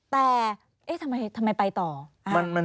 แต่เอ๊ะทำไมไปต่อ